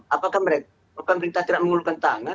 apakah mereka apakah mereka tidak mengurungkan tangan